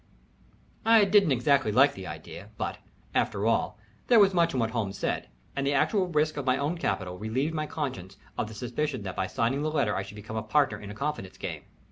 I didn't exactly like the idea, but, after all, there was much in what Holmes said, and the actual risk of my own capital relieved my conscience of the suspicion that by signing the letter I should become a partner in a confidence game.